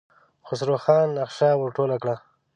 خسرو خان نخشه ور ټوله کړه.